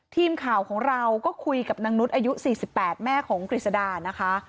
ทีมข่าวของเราก็คุยกับนางนุษย์อายุ๔๘แม่ของกฤษดานะคะ